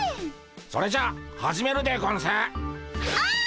それじゃ始めるでゴンス。